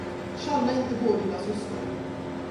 Tjalla inte på dina syskon